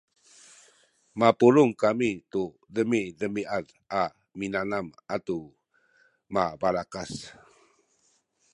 mapulung kami tu demidemiad a minanam atu mabalakas